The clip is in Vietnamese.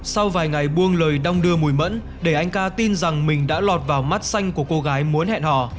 sau vài ngày buông lời đong đưa mùi mẫn để anh ca tin rằng mình đã lọt vào mắt xanh của cô gái muốn hẹn hò